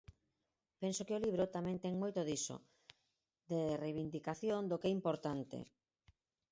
Penso que o libro tamén ten moito diso: de reivindicación do que é importante.